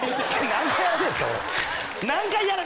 何回やらせるんですかこれ。